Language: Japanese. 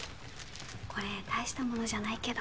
これ大したものじゃないけど。